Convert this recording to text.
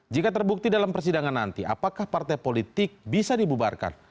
jika terbukti dalam persidangan nanti apakah partai politik bisa dibubarkan